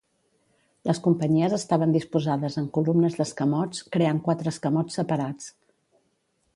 Les companyies estaven disposades en columnes d'escamots, creant quatre escamots separats.